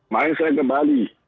mari saya ke bali